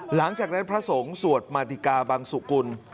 หลังจากนั้นพระสงฆ์สวดมาติกาบังสุกุล